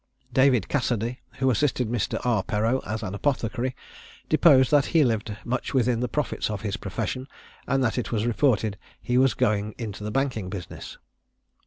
David Cassady, who assisted Mr. R. Perreau as an apothecary, deposed that he lived much within the profits of his profession, and that it was reported he was going into the banking business.